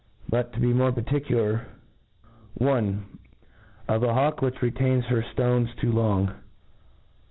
^— ^But, to be more particular j • I. Of a Hawk which retains her Stones too long.